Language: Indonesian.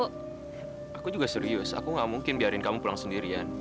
saya juga serius saya tidak mungkin membiarkan kamu pulang sendirian